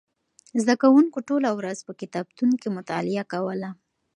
زده کوونکو ټوله ورځ په کتابتون کې مطالعه کوله.